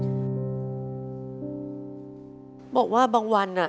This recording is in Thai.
สวัสดีครับน้องเล่จากจังหวัดพิจิตรครับ